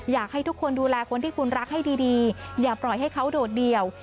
อยากให้ทุกคนดูแลคนที่คุณรักให้ดีอย่าปล่อยให้เขาโดดเดี่ยว